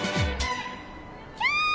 キャー！